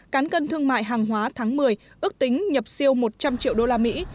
cán cân thương mại hàng hóa tháng một mươi ước tính nhập siêu một trăm linh triệu đô la mỹ